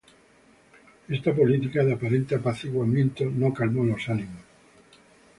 Esta política de aparente apaciguamiento no calmó los ánimos.